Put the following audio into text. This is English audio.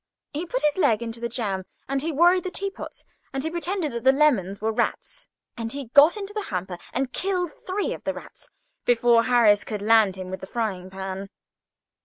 He put his leg into the jam, and he worried the teaspoons, and he pretended that the lemons were rats, and got into the hamper and killed three of them before Harris could land him with the frying pan.